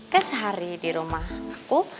ke sehari di rumah aku